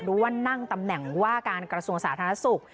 ว่านั่งตำแหน่งว่าการกระทรวงสาธารณสุข